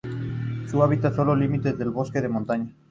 Su hábitat son los límites de bosques de montaña.